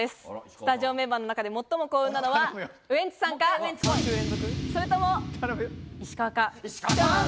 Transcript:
スタジオメンバーの中で最も幸運なのはウエンツさんか、それとも石川か？